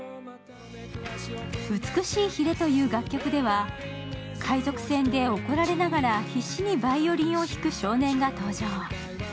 「美しい鰭」という楽曲では、海賊船で怒られながら怒られながら必死にバイオリンを弾く少年が登場。